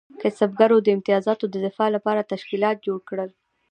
کسبګرو د امتیازاتو د دفاع لپاره تشکیلات جوړ کړل.